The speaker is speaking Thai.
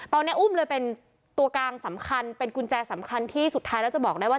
ตอนนี้อุ้มเลยเป็นตัวกลางสำคัญเป็นกุญแจสำคัญที่สุดท้ายแล้วจะบอกได้ว่า